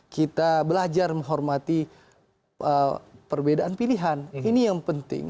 kita belajar menghormati perbedaan pilihan ini yang penting